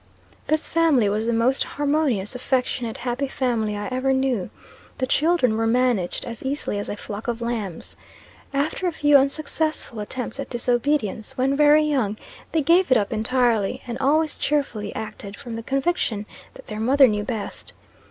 "This family was the most harmonious, affectionate, happy family I ever knew. The children were managed as easily as a flock of lambs. After a few unsuccessful attempts at disobedience, when very young, they gave it up entirely; and always cheerfully acted from the conviction that their mother knew best.